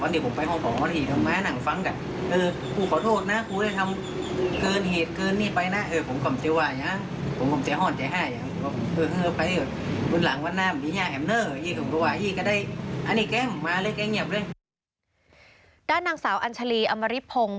ด้านนางสาวอัญชาลีอมริพงศ์